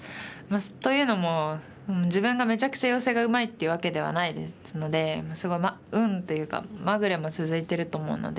というのも自分がめちゃくちゃヨセがうまいっていうわけではないですのですごい運というかまぐれも続いてると思うので。